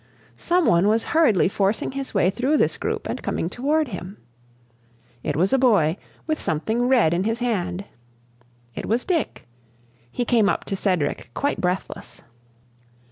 Some one was hurriedly forcing his way through this group and coming toward him. It was a boy, with something red in his hand. It was Dick. He came up to Cedric quite breathless.